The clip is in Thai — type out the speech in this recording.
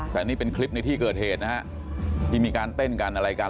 แต่นี่เป็นคลิปในที่เกิดเหตุนะฮะที่มีการเต้นกันอะไรกัน